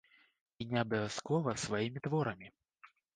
І не абавязкова сваімі творамі.